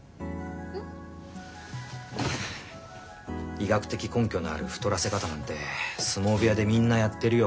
医学的根拠のある太らせ方なんて相撲部屋でみんなやってるよ。